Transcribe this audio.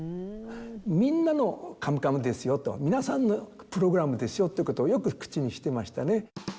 みんなの「カムカム」ですよと皆さんのプログラムですよってことをよく口にしてましたね。